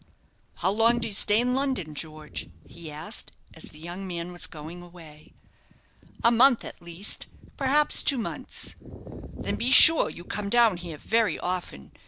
"How long do you stay in London, George?" he asked, as the young man was going away. "A month, at least perhaps two months." "Then be sure you come down here very often.